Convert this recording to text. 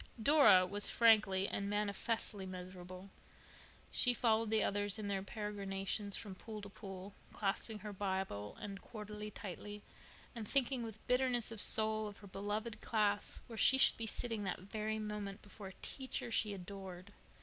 Dora was frankly and manifestly miserable. She followed the others in their peregrinations from pool to pool, clasping her Bible and quarterly tightly and thinking with bitterness of soul of her beloved class where she should be sitting that very moment, before a teacher she adored.